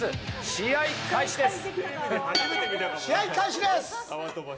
試合開始です！